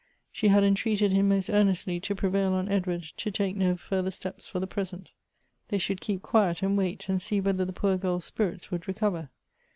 She had entreated him most earnestly to prevail on Edward to take no further steps for the present. They should keep quiet and wait, and see whether the poor girl's spirits would recover.